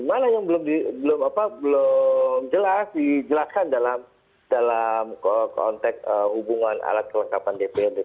mana yang belum jelas dijelaskan dalam konteks hubungan alat kelengkapan dprd